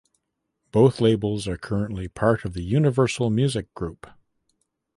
Both labels are currently part of the Universal Music Group.